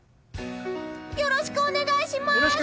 よろしくお願いします！